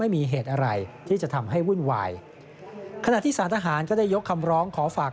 ไม่มีเหตุอะไรที่จะทำให้วุ่นวายขณะที่สารทหารก็ได้ยกคำร้องขอฝาก